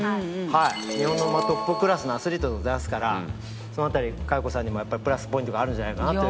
日本のトップクラスのアスリートでございますからその辺り佳代子さんにもプラスポイントがあるんじゃないかなという。